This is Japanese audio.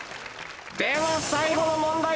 では最後の問題。